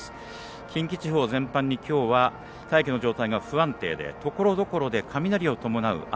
近畿地方全般にきょうは大気の状態不安定でところどころで雷を伴う雨。